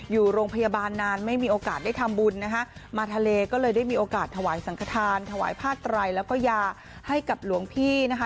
อยู่โรงพยาบาลนานไม่มีโอกาสได้ทำบุญนะคะมาทะเลก็เลยได้มีโอกาสถวายสังขทานถวายผ้าไตรแล้วก็ยาให้กับหลวงพี่นะคะ